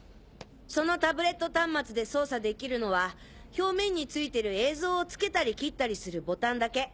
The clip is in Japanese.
そのタブレット端末で操作できるのは表面に付いてる映像をつけたり切ったりするボタンだけ。